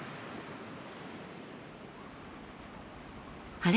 あれ？